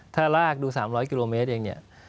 ถ้ารากดู๓๐๐กิโลเมตรเอง